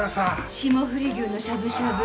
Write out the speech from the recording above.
霜降り牛のしゃぶしゃぶ。